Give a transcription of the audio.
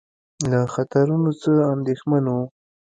له خطرونو څخه اندېښمن وو.